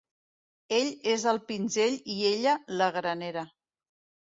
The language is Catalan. Ell és el pinzell i ella, la granera.